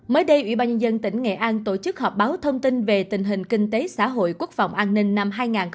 mới đây ubnd tỉnh nghệ an tổ chức họp báo thông tin về tình hình kinh tế xã hội quốc phòng an ninh năm hai nghìn hai mươi một